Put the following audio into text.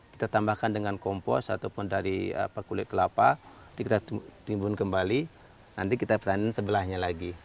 kita tambahkan dengan kompos ataupun dari kulit kelapa kita timbun kembali nanti kita pesankan sebelahnya lagi